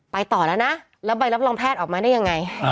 ต่อแล้วนะแล้วใบรับรองแพทย์ออกมาได้ยังไง